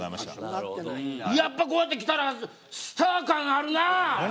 やっぱ、こうやって来たらスター感あるな。